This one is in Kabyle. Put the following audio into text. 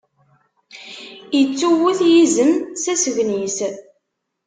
Ittuwwet yizem s asgen-is.